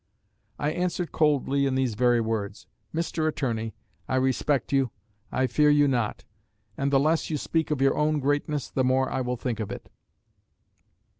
_' I answered coldly in these very words: '_Mr. Attorney, I respect you; I fear you not; and the less you speak of your own greatness, the more I will think of it.